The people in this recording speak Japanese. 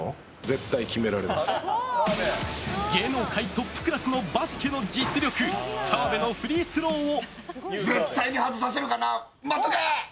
芸能界トップクラスのバスケの実力澤部のフリースローを。